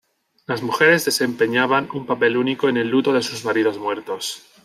Las mujeres desempeñaban un papel único en el luto de sus maridos muertos.